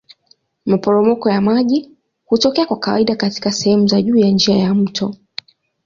Maporomoko ya maji hutokea kwa kawaida katika sehemu za juu ya njia ya mto.